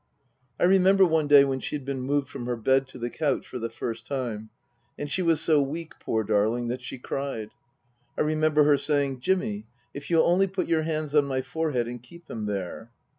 I remember one day when she had been moved from her bed to the couch for the first time and she was so weak, poor darling, that she cried. I remember her saying, " Jimmy, if you'll only put your hands on my forehead and keep them there."